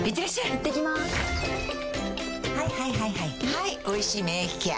はい「おいしい免疫ケア」